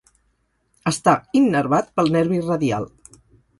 Està innervat pel nervi radial.